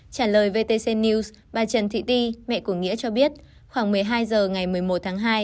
trả lời vtc news bà trần thị ti mẹ của nghĩa cho biết khoảng một mươi hai h ngày một mươi một tháng hai